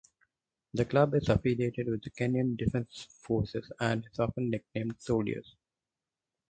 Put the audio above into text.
The club is affiliated with the Kenyan defence forces and is often nicknamed soldiers.